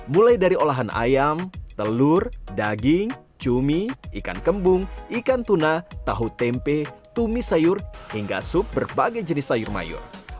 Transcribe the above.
mulai dari olahan ayam telur daging cumi ikan kembung ikan tuna tahu tempe tumis sayur hingga sup berbagai jenis sayur mayur